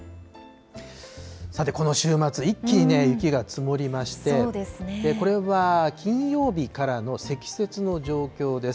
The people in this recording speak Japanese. さてこの週末、一気に雪が積もりまして、これは金曜日からの積雪の状況です。